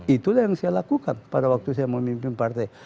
itulah yang saya lakukan pada waktu saya memimpin partai